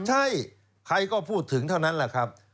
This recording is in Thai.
ใช่ใครก็พูดถึงเท่านั้นแหละครับ